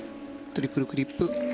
トリプルフリップ。